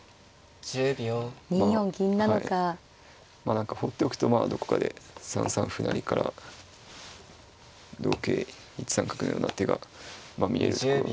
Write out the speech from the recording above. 何か放っておくとまあどこかで３三歩成から同桂１三角のような手が見えるところなので。